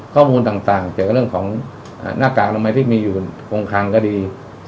ข้อมูลต่างต่างเกี่ยวกับเรื่องของอ่าหน้ากากที่มีอยู่โบงคังก็ดี